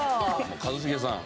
一茂さん。